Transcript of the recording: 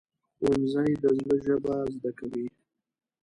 ښوونځی د زړه ژبه زده کوي